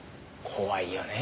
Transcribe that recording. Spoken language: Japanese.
怖いよね